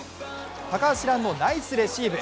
高橋藍のナイスレシーブ。